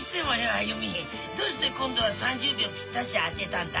歩美どうして今度は３０秒ピッタシ当てたんだ？